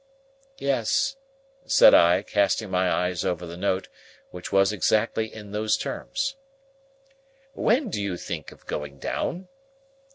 "Yes," said I, casting my eyes over the note, which was exactly in those terms. "When do you think of going down?"